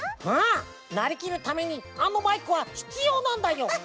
うんなりきるためにあのマイクはひつようなんだよ。